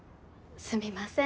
すみません。